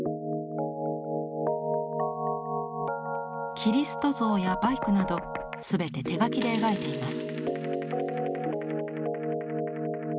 キリスト像やバイクなどすべて手描きで描いています。